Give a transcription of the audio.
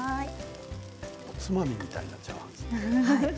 おつまみみたいなチャーハンですね。